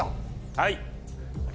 はい！